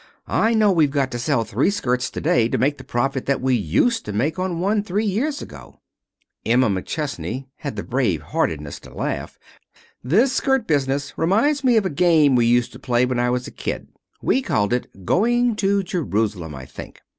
I know we've got to sell three skirts to day to make the profit that we used to make on one three years ago." Emma McChesney had the brave heartedness to laugh. "This skirt business reminds me of a game we used to play when I was a kid. We called it Going to Jerusalem, I think.